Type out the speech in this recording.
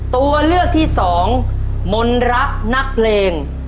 ตัวเลือกที่สองมนรักนักเพลง